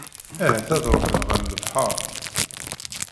Ahat ad ruḥen ɣer lebḥer.